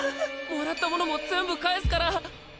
もらったものも全部返すから！